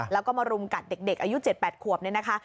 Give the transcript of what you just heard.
แล้วก็มารุมกัดเด็กอายุ๗๘ขวบเนี่ยนะคะ